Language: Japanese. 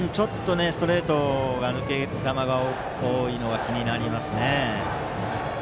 ストレートが抜け球が多いのが気になりますね。